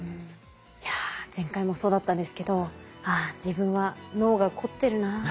いや前回もそうだったんですけど「ああ自分は脳が凝ってるな」って思いましたね。